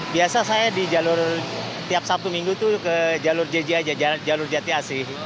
biasa saya di jalur tiap sabtu minggu itu ke jalur jj aja jalur jati asih